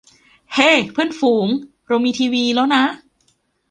เฮ้ เพื่อนฝูง เรามีทีวีแล้วนะ